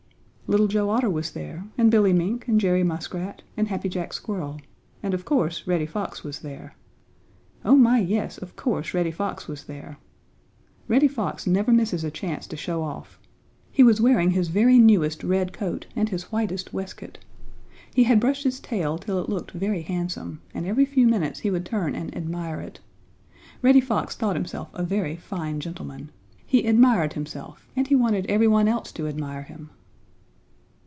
Little Joe Otter was there, and Billy Mink and Jerry Muskrat and Happy Jack Squirrel, and of course Reddy Fox was there. Oh my, yes, of course Reddy Fox was there! Reddy Fox never misses a chance to show off. He was wearing his very newest red coat and his whitest waistcoat. He had brushed his tail till it looked very handsome, and every few minutes he would turn and admire it. Reddy Fox thought himself a very fine gentleman. He admired himself and he wanted every one else to admire him.